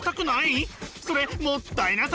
それもったいなさすぎ！